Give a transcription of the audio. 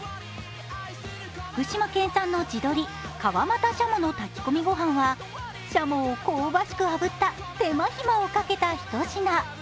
福島県産の地鶏、川俣シャモの炊き込みご飯はシャモを香ばしくあぶった手間隙をかけた一品。